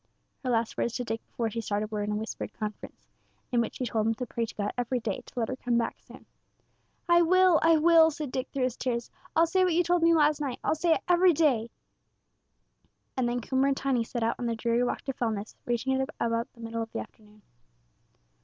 Her last words to Dick before she started were in a whispered conference, in which she told him to pray to God every day to let her come back soon. "I will, I will!" said Dick through his tears; "I'll say what you told me last night I'll say it every day." And then Coomber and Tiny set out on their dreary walk to Fellness, reaching it about the middle of the afternoon.